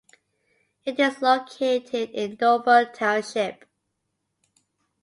It is located in Dover Township.